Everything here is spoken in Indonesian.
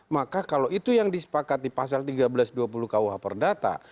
maka kalau itu yang disepakati pasal tiga belas dua puluh kuh perdata